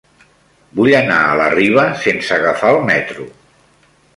Vull anar a la Riba sense agafar el metro.